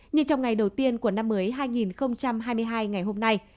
như trong ngày đầu tiên của năm mới hai nghìn hai mươi hai ngày hôm nay